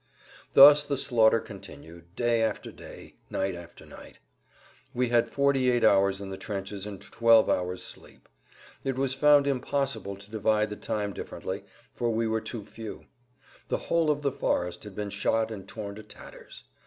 Thus the slaughter continued, day after day, night after night. We had 48 hours in the trenches and 12 hours' sleep. It was found impossible to divide the time differently, for we were too few. The whole of the forest had been shot and torn to tatters.